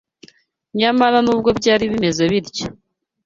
Nyamara n’ubwo byari bimeze bityo